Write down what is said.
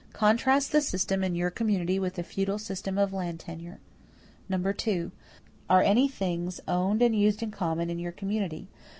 Contrast the system in your community with the feudal system of land tenure. 2. Are any things owned and used in common in your community?